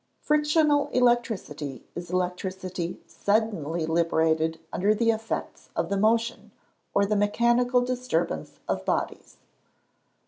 _ Frictional electricity is electricity suddenly liberated under the effects of the motion, or the mechanical disturbance of bodies.